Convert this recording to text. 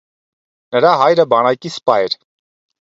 Նրա հայրը բանակի սպա էր։